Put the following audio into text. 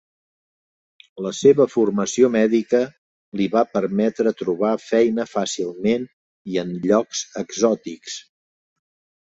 La seva formació mèdica li va permetre trobar feina fàcilment i en llocs exòtics.